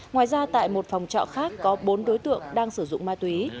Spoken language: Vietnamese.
ngoài ra tại một phòng trọ khác có bốn đối tượng đang sử dụng ma túy